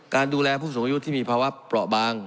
การดูแลผู้สูงอายุที่มีภาวะเปราะบาง